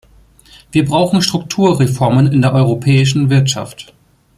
Wir brauchen Strukturreformen in der europäischen Wirtschaft.